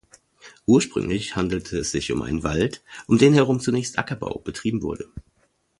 Ursprünglich handelte es sich um einen Wald, um den herum zunächst Ackerbau betrieben wurde.